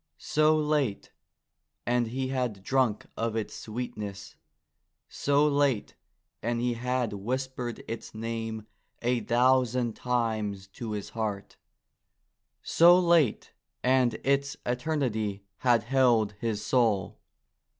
So late, and he had drunk of its sweetness; so late, and he had whispered its name a thousand times to his heart; so late, and its eternity had held his soul